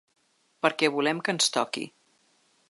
Perquè volem que ens toqui.